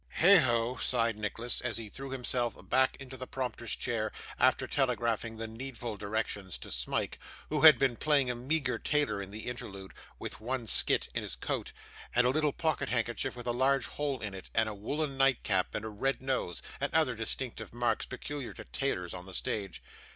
'Heigho!' sighed Nicholas, as he threw himself back in the prompter's chair, after telegraphing the needful directions to Smike, who had been playing a meagre tailor in the interlude, with one skirt to his coat, and a little pocket handkerchief with a large hole in it, and a woollen nightcap, and a red nose, and other distinctive marks peculiar to tailors on the stage.